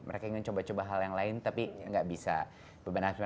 mereka ingin coba coba hal yang lain tapi tidak bisa